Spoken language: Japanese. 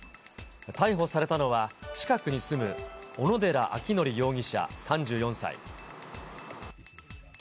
逮捕されたのは、近くに住む小野寺章仁容疑者３４歳。